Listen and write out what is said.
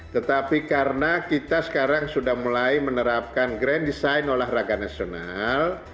tetapi karena kita sekarang sudah mulai menerapkan grand design olahraga nasional